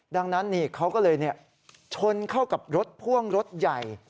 ดังนั้นเขาก็เลยชนเข้ากับรถพ่วงรถใหญ่